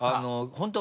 本当